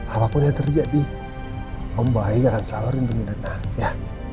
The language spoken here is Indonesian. apapun yang terjadi om baik akan selalu rinduin ana ya